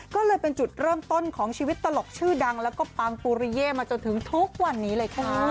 ก็เลยเป็นจุดเริ่มต้นของชีวิตตลกชื่อดังแล้วก็ปังปูริเย่มาจนถึงทุกวันนี้เลยค่ะ